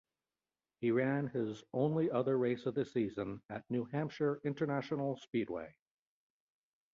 He ran his only other race of the season at New Hampshire International Speedway.